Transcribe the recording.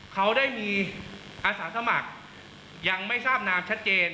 เขาได้มีอาสาสมัครยังไม่ทราบนามชัดเจน